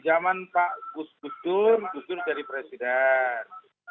zaman pak gus gusur gusur jadi presiden